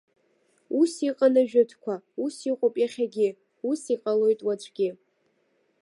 Ус иҟан ажәытәқәа, ус иҟоуп иахьагьы, ус иҟалоит уаҵәгьы!